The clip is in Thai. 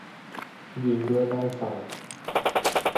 ยิงด้วยบั้งไฟ